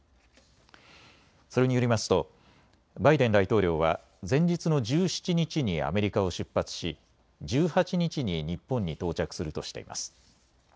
それによりますとバイデン大統領は前日の１７日にアメリカを出発し１８日に日本に到着するとしています。